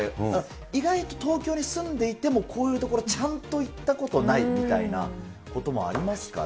意外と東京に住んでいても、こういうところ、ちゃんと行ったことないみたいなこともありますから。